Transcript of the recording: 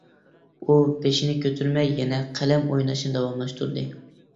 ئۇ بېشىنى كۆتۈرمەي يەنە قەلەم ئويناشنى داۋاملاشتۇردى.